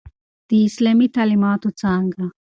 د اسلامی تعليماتو څانګه